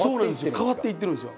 変わっていってるんですよ